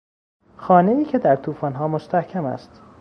خانهای که در توفانها مستحکم است